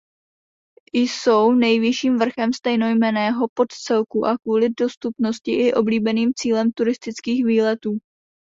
Jsou nejvyšším vrchem stejnojmenného podcelku a kvůli dostupnosti i oblíbeným cílem turistických výletů.